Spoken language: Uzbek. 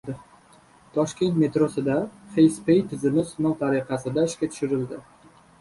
Toshkent metrosida FacePay tizimi sinov tariqasida ishga tushirildi